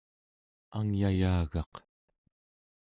angyayagaq